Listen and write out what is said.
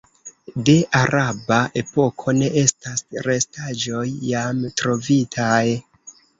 De araba epoko ne estas restaĵoj jam trovitaj.